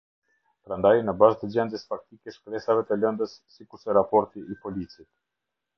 Prandaj, në bazë të gjendjes faktike, shkresave të lëndës sikurse raporti i policit.